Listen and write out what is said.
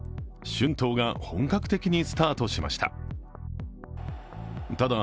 春闘が本格的にスタートしました。